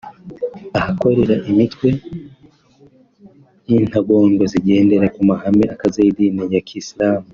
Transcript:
ahakorera imitwe y’intagondwa zigendera ku mahame akaze y’idini ya kisilamu